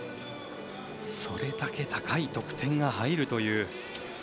それだけ高い得点が入るという。